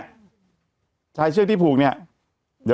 แต่หนูจะเอากับน้องเขามาแต่ว่า